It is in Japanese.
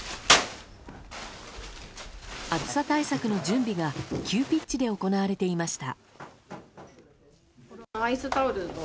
暑さ対策の準備が急ピッチで行われていました。